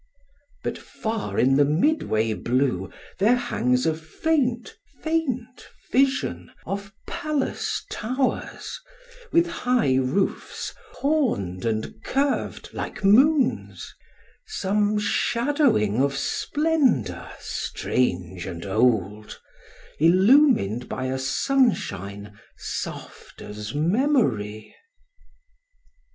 But far in the midway blue there hangs a faint, faint vision of palace towers, with high roofs horned and curved like moons,—some shadowing of splendor strange and old, illumined by a sunshine soft as memory.